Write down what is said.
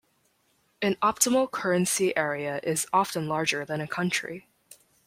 An optimal currency area is often larger than a country.